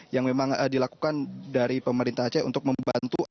yang memang dilakukan dari pemerintah aceh untuk membantu